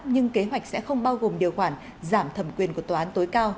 nhưng kế hoạch sẽ không bao gồm điều khoản giảm thẩm quyền của tòa án tối cao